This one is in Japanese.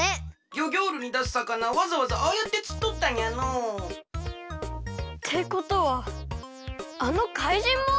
ギョギョールにだすさかなわざわざああやってつっとったんやの。ってことはあのかいじんも！？